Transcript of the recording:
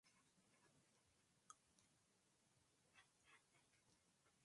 Estaban dedicadas fundamentalmente a la explotación de una pequeña huerta.